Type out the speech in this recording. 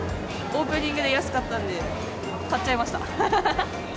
オープニングで安かったんで、買っちゃいました。